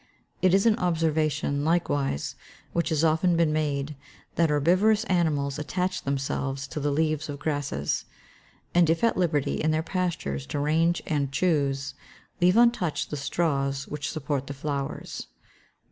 It is an observation, likewise, which has often been made, that herbivorous animals attach themselves to the leaves of grasses; and, if at liberty in their pastures to range and choose, leave untouched the straws which support the flowers.